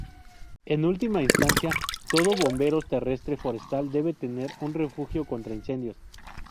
En última instancia, todo bomberos terrestre forestal debe tener un refugio contra incendios.